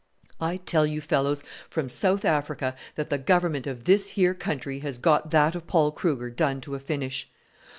"I tell you fellows from South Africa that the Government of this here country has got that of Paul Kruger done to a finish.